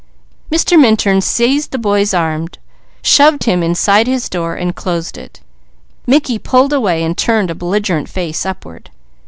_" Mr. Minturn seized the boy's arm, shoved him inside his door and closed it. Mickey pulled away and turned a belligerent face upward.